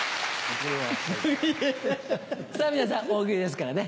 さぁ皆さん「大喜利」ですからね。